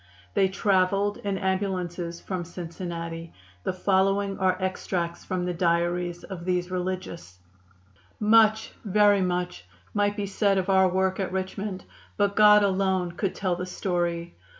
They traveled in ambulances from Cincinnati. The following are extracts from the diaries of these religious: "Much, very much, might be said of our work at Richmond, but God alone could tell the story.